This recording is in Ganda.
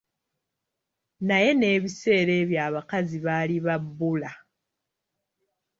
Naye n'ebiseera ebyo abakazi baali ba bbula.